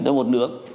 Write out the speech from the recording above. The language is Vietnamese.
đâu một nước